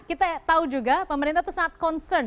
kita tahu juga pemerintah itu sangat concern